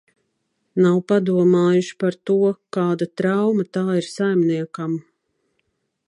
Nav padomājuši par to, kāda trauma tā ir saimniekam.